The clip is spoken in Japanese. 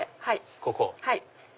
ここ。